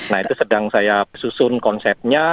nah itu sedang saya susun konsepnya